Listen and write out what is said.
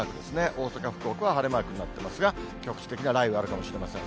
大阪、福岡は晴れマークになってますが、局地的な雷雨があるかもしれません。